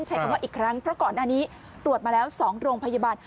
ใช้คำว่าอีกครั้งเพราะก่อนหน้านี้ตรวจมาแล้ว๒โรงพยาบาล